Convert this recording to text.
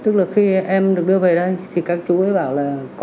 các chú ấy bảo là có lên đường